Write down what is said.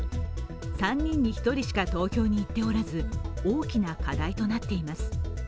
３人に１人しか投票に行っておらず、大きな課題となっています。